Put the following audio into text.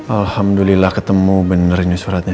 alhamdulillah ketemu benar ini suratnya